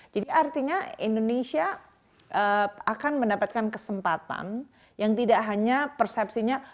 jadi artinya indonesia akan mendapatkan kesempatan yang tidak hanya persepsinya